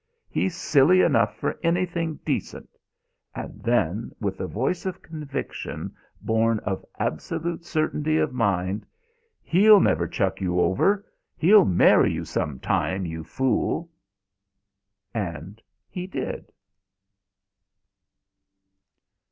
He's silly enough for anything decent," and then, with the voice of conviction born of absolute certainty of mind: "He'll never chuck you over. He'll marry you sometime, you fool!" And he did.